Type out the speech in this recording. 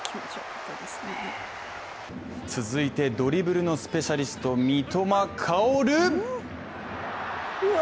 続いてドリブルのスペシャリスト、三笘薫。